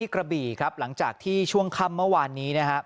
กระบี่ครับหลังจากที่ช่วงค่ำเมื่อวานนี้นะครับ